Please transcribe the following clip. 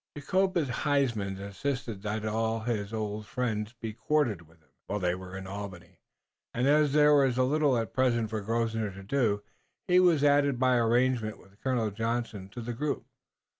Jacobus Huysman insisted that all his old friends be quartered with him, while they were in Albany, and as there was little at present for Grosvenor to do, he was added by arrangement with Colonel Johnson to the group.